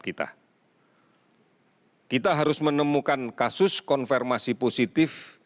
kita harus menemukan kasus konfirmasi positif